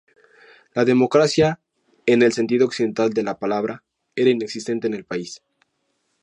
La democracia, en el sentido occidental de la palabra, era inexistente en el país.